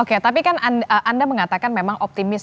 oke tapi kan anda mengatakan memang optimis